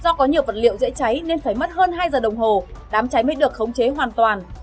do có nhiều vật liệu dễ cháy nên phải mất hơn hai giờ đồng hồ đám cháy mới được khống chế hoàn toàn